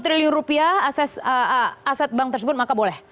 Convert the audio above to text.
tiga puluh triliun rupiah aset bank tersebut maka boleh